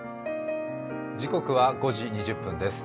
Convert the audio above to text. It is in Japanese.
時刻は５時２０分です。